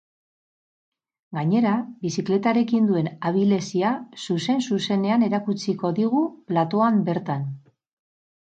Gainera, bizikletarekin duen abilezia zuzen-zuzenean erakutsiko digu platoan bertan.